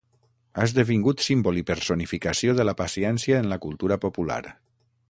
Ha esdevingut símbol i personificació de la paciència en la cultura popular.